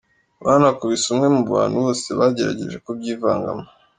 Banakubise umwe mu bantu bose bagerageje kubyivangamo.